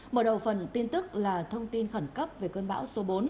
mở đầu phần tin tức là thông tin khẩn cấp về cơn bão số bốn